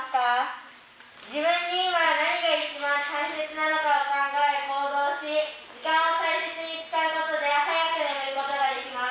自分に今何が一番大切なのかを考え行動し時間を大切に使うことで早く寝ることができます。